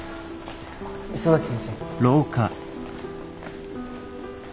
磯崎先生。